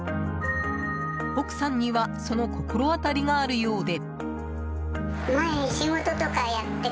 奥さんにはその心当たりがあるようで。